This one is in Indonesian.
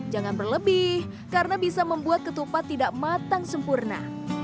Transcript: jangan berlebih karena bisa membuat ketupat tidak matang sempurna